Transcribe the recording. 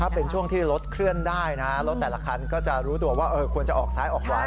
เป็นช่วงที่รถเคลื่อนได้นะรถแต่ละคันก็จะรู้ตัวว่าควรจะออกซ้ายออกขวา